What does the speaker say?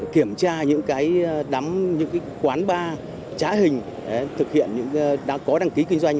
kiểm tra những cái đắm những cái quán bar trá hình thực hiện những cái đã có đăng ký kinh doanh